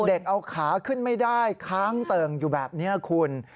เด็กเอาขาขึ้นไม่ได้ค้างเติ่งอยู่แบบนี้คุณ